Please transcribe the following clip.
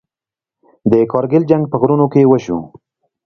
د کارګیل جنګ په غرونو کې وشو.